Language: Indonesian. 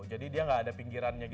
jadi dia gak ada pinggirannya gitu ya